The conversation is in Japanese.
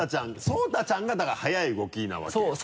爽汰ちゃんがだから速い動きなわけよ。